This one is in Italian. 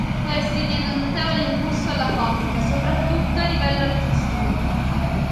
Questi diede un notevole impulso alla fabbrica, soprattutto a livello artistico.